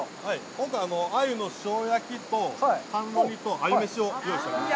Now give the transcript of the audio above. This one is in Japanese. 今回、アユの塩焼きと、甘露煮とアユ飯を用意しています。